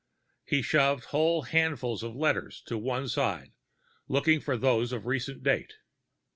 He shoved whole handfuls of letters to one side, looking for those of recent date.